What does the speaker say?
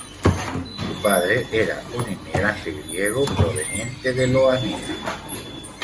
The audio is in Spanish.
Su padre era un inmigrante griego proveniente de Ioánina.